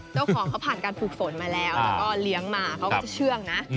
เจ้าของเขาผ่านการฝึกฝนมาแล้วแล้วก็เลี้ยงมาเขาก็จะเชื่องนะ